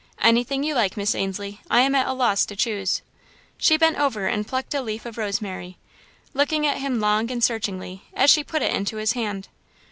"Anything you like, Miss Ainslie. I am at a loss to choose." She bent over and plucked a leaf of rosemary, looking at him long and searchingly as she put it into his hand.